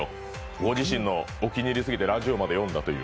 ご自身のお気に入りすぎて、ラジオまで呼んだという。